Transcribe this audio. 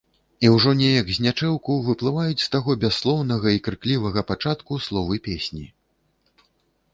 І ўжо неяк знячэўку выплываюць з таго бясслоўнага і крыклівага пачатку словы песні.